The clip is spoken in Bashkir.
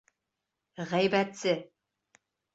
Ғәйбәтсе!